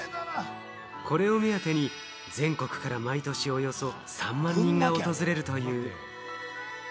これを目当てに全国から毎年およそ３万人が訪れるという。